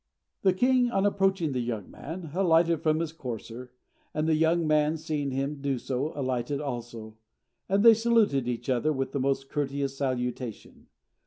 The king, on approaching the young man, alighted from his courser; and the young man, seeing him do so, alighted also; and they saluted each other with the most courteous salutation.